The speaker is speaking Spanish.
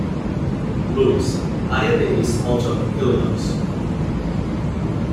Louis, área de East Alton, Illinois.